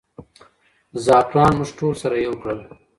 زعفران موږ ټول سره یو کړل.